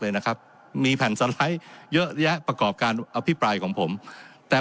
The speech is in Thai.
เลยนะครับมีแผ่นสไลด์เยอะแยะประกอบการอภิปรายของผมแต่